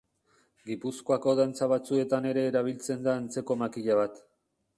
Gipuzkoako dantza batzuetan ere erabiltzen da antzeko makila bat.